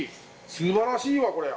すばらしいわこりゃ。